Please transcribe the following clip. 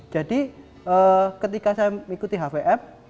jadi ketika saya mengikuti hvm